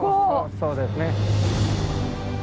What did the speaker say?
そうですね。